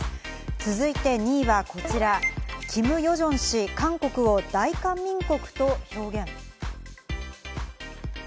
続いて２位はこちら、キム・ヨジョン氏、韓国を大韓民国と表現。